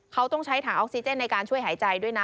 เขาต้องใช้ถังออกซิเจนในการช่วยหายใจด้วยนะ